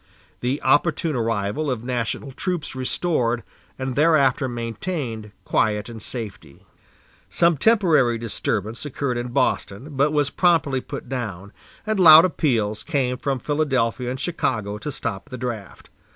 The opportune arrival of national troops restored, and thereafter maintained, quiet and safety. Some temporary disturbance occurred in Boston, but was promptly put down, and loud appeals came from Philadelphia and Chicago to stop the draft.